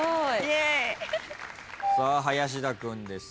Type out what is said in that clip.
さあ林田君です。